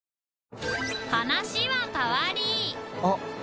話は変わりあっ。